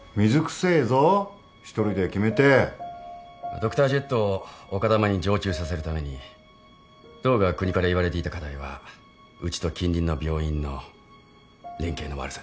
ドクタージェットを丘珠に常駐させるために道が国から言われていた課題はうちと近隣の病院の連携の悪さでした。